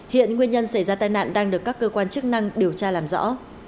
hiện nguyên nhân xảy ra tai nạn đang được các cơ quan chức năng điều tra làm rõ